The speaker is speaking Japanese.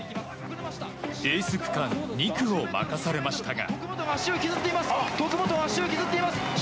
エース区間、２区を任されましたが。